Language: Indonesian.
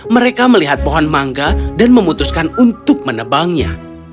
mereka melihat pohon mangga dan memutuskan untuk menebangnya